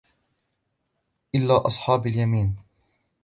إلا أصحاب اليمين